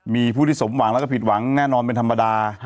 มีผู้ที่สมหวังแล้วก็ผิดหวังแน่นอนเป็นธรรมดา